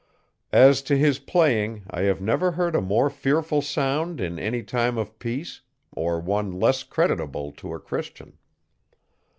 As to his playing I have never heard a more fearful sound in any time of peace or one less creditable to a Christian.